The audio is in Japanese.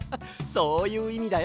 そういういみだよ。